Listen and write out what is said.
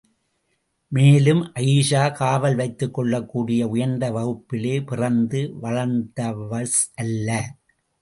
மேலும் ஆயீஷா காவல் வைத்துக் கொள்ளக்கூடிய உயர்ந்த வகுப்பிலே பிறந்து வளர்ந்த்வ்ஸ் அல்ல.